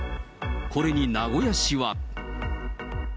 これに名古屋市は。